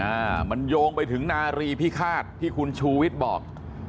อ่ามันโยงไปถึงนารีพิฆาตที่คุณชูวิทย์บอก